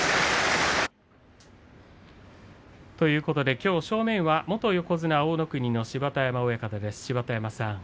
きょう正面は元横綱大乃国の芝田山親方です。